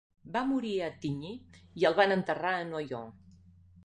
Va morir a Attigny i el van enterrar a Noyon.